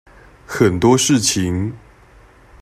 很多事情